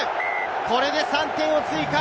これで３点を追加！